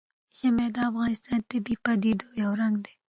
ژمی د افغانستان د طبیعي پدیدو یو رنګ دی.